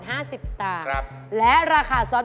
โห้สิบห้าบาท